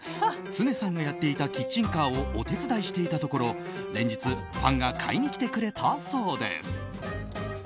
ツネさんがやっていたキッチンカーをお手伝いしていたところ連日、ファンが買いに来てくれたそうです。